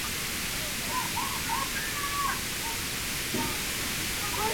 راكيټونو دي پر ما باندي را اوري~